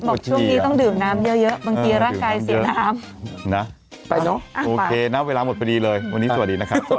โปรดติดตามตอนต่อไป